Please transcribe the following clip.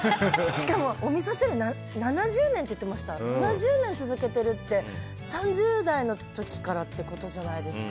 しかも、おみそ汁７０年続けてるって３０代の時からってことじゃないですか。